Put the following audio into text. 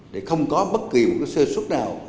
để không có bất kỳ một sơ xuất nào